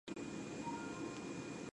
They met while filming "Blackjack".